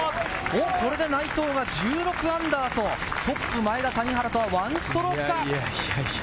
これで内藤が−１６と、トップ・前田、谷原と１ストローク差。